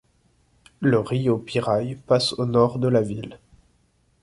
Le río Piraí passe au Nord de la ville.